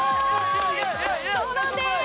そうなんです！